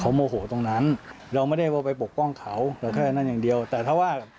โมโหตรงนั้นเราไม่ได้ว่าไปปกป้องเขาเราแค่นั้นอย่างเดียวแต่ถ้าว่าแบบ